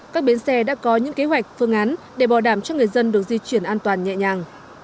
các bến xe đã có những kế hoạch phương án để bảo đảm cho người dân được di chuyển an toàn nhẹ nhàng